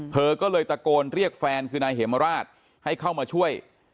เธอก็เลยตะโกนเรียกแฟนคือนายเหมราชให้เข้ามาช่วย